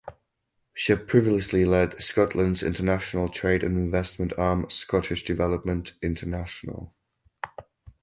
She had previously lead Scotland’s international trade and investment arm "Scottish Development International".